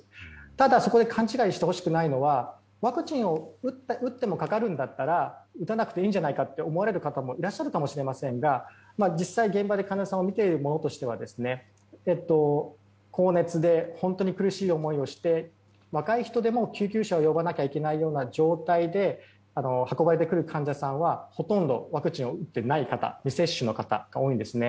ただ、そこで勘違いしてほしくないのはワクチンを打ってもかかるんだったら打たなくていいんじゃないかと思われる方もいらっしゃるかもしれませんが実際に現場で患者さんを診ている者としては高熱で本当に苦しい思いをして若い人でも救急車を呼ばなきゃいけない状態で運ばれてくる患者さんはほとんどワクチンを打っていない方未接種の方が多いんです。